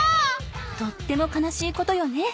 とっても悲しいことよね。